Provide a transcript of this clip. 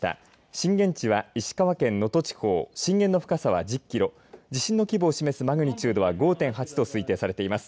震源地は石川県能登地方震源の深さは１０キロ地震の規模を示すマグニチュードは５．８と推定されています。